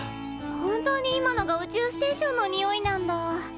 本当に今のが宇宙ステーションのにおいなんだ。